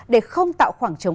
để không tạo khoảng trọng